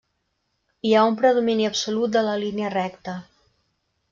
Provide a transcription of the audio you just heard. Hi ha un predomini absolut de la línia recta.